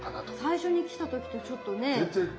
最初に来た時とちょっとね。